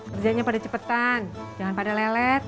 kerjanya pada cepetan jangan pada lelet